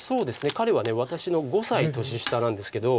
彼は私の５歳年下なんですけど。